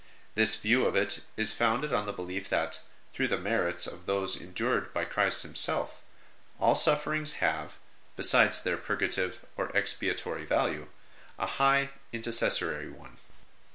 This view of it is founded on the belief that, through the merits of those endured by Christ Himself, all sufferings have, PENITENTIAL PRACTICES OF HER GIRLHOOD 83 besides their purgative or expiatory value, a high intercessory one.